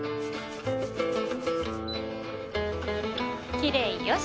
きれいよし！